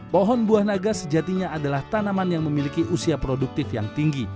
pohon buah naga sejatinya adalah tanaman yang memiliki usia produktif yang tinggi